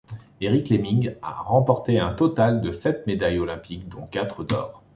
Eric Lemming a remporté un total de sept médailles olympiques, dont quatre d'or.